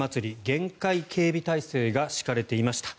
厳戒警備態勢が敷かれていました。